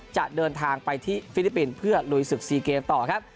จะเดินทางไปที่ฟิลิปปินส์เพื่อลุยศึก๔เกมต่อครับ